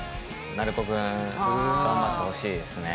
鳴子くん頑張ってほしいですね。